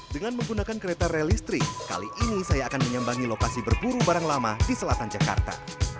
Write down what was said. dengan menggunakan kereta relistrik kali ini saya akan menyambangi lokasi berburu barang lama di selatan jakarta